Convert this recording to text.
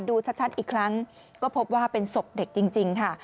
ดูชัดอีกครั้งก็พบว่าเป็นศพเด็กจริงค่ะ